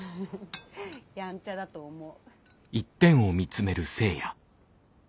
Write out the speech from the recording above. やんちゃだと思う。